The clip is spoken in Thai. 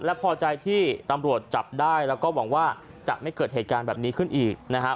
และพอใจที่ตำรวจจับได้แล้วก็หวังว่าจะไม่เกิดเหตุการณ์แบบนี้ขึ้นอีกนะครับ